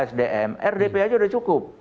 sdm rdp aja udah cukup